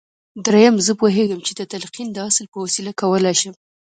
درېيم زه پوهېږم چې د تلقين د اصل په وسيله کولای شم.